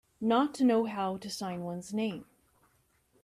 Not to know how to sign one's name.